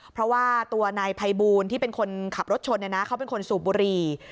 เพราะว่าตัวนายพัยบูรณ์ที่เป็นคนขับรถชนเนี่ยนะเขาเป็นคนสูบบุหรี่